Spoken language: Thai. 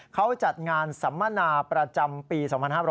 เขาจัดงานสัมมนาประจำปี๒๕๕๙